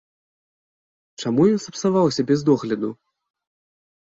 Чаму ён сапсаваўся без догляду?